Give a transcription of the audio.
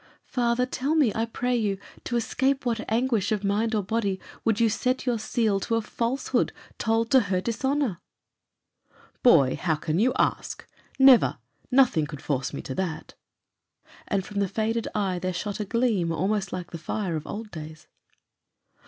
"Father, tell me, I pray you, to escape what anguish of mind or body would you set your seal to a falsehood told to her dishonour?" "Boy, how can you ask? Never! nothing could force me to that." And from the faded eye there shot a gleam almost like the fire of old days.